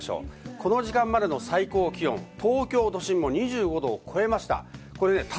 この時間までの最高気温、東京都心は２５度を超えました。